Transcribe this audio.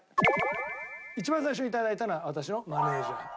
一番最初に頂いたのは私のマネージャー。